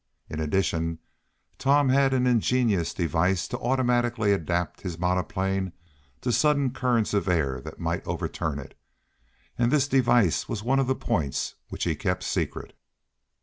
In addition, Tom had an ingenious device to automatically adapt his monoplane to sudden currents of air that might overturn it, and this device was one of the points which he kept secret.